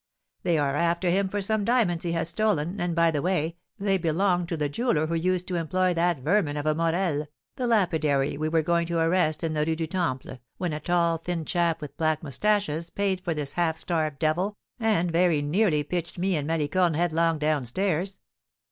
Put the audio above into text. "They are after him for some diamonds he has stolen; and, by the way, they belonged to the jeweller who used to employ that vermin of a Morel, the lapidary we were going to arrest in the Rue du Temple, when a tall, thin chap, with black moustaches, paid for this half starved devil, and very nearly pitched me and Malicorne headlong down stairs."